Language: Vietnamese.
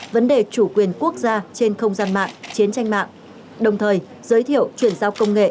vấn đề chủ quyền quốc gia trên không gian mạng chiến tranh mạng đồng thời giới thiệu chuyển giao công nghệ